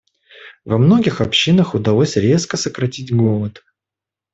Во многих общинах удалось резко сократить голод.